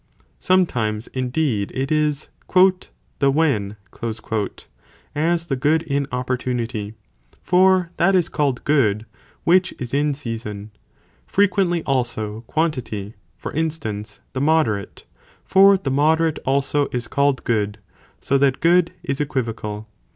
Sometimes indeed it is "the when," as the good in opportunity, for that is called good, which is in season: frequently also quantity, for instance, the moderate, for the moderate also is called good, so that good is equivocal.